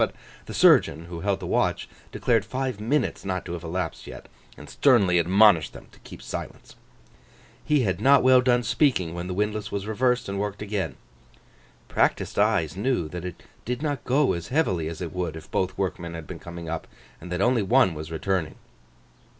But the surgeon who held the watch, declared five minutes not to have elapsed yet, and sternly admonished them to keep silence. He had not well done speaking, when the windlass was reversed and worked again. Practised eyes knew that it did not go as heavily as it would if both workmen had been coming up, and that only one was returning.